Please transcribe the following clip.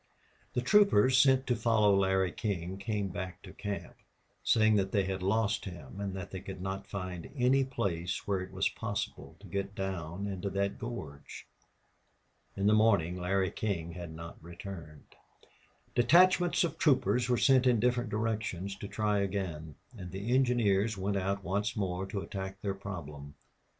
The troopers sent to follow Larry King came back to camp, saying that they had lost him and that they could not find any place where it was possible to get down into that gorge. In the morning Larry King had not returned. Detachments of troopers were sent in different directions to try again. And the engineers went out once more to attack their problem.